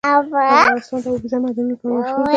افغانستان د اوبزین معدنونه لپاره مشهور دی.